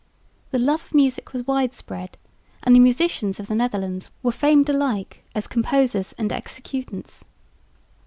The love of music was widespread; and the musicians of the Netherlands were famed alike as composers and executants.